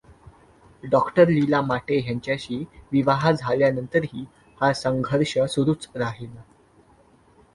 डॉ. लीला माटे यांच्याशी विवाह झाल्यानंतरही हा संघर्ष सुरूच राहिला.